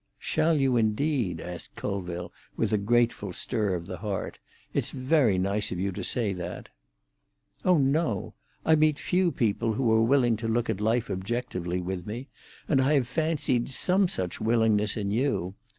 "Shall you, indeed?" asked Colville, with a grateful stir of the heart. "It's very nice of you to say that." "Oh no. I meet few people who are willing to look at life objectively with me, and I have fancied some such willingness in you.